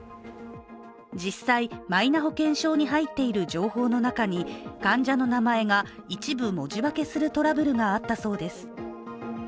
実際、マイナ保険証に入っている情報の中に患者の名前が一部文字化けするトラブルがあったそうです。